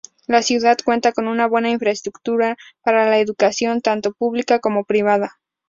La ciudad cuenta con buena infraestructura para la educación, tanto pública como privada.